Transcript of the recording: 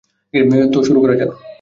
তো, শুরু করা যাক!